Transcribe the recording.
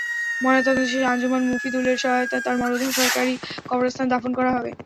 ময়নাতদন্তে শেষে আঞ্জুমান মুফিদুলের সহায়তায় তাঁর মরদেহ সরকারি কবরস্থানে দাফন করা হবে।